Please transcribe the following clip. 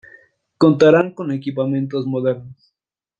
Contarán con equipamientos modernos.